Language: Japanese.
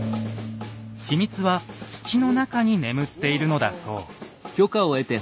秘密は土の中に眠っているのだそう。